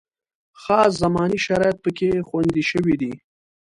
خاص زماني شرایط پکې خوندي شوي دي.